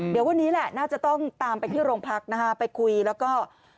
เดี๋ยววันนี้แหละน่าจะต้องตามไปที่โรงพักนะฮะไปคุยแล้วก็